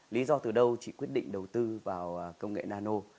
lý do từ đâu chị quyết định đầu tư vào công nghệ nano